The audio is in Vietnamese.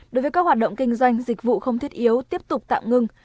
đối với các hoạt động kinh doanh dịch vụ không thiết yếu tiếp tục tạm ngưng